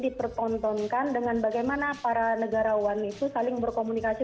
dipertontonkan dengan bagaimana para negarawan itu saling berkomunikasi